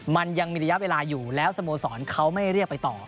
มันยังมีระยะเวลาอยู่แล้วสโมสรเขาไม่เรียกไปต่อ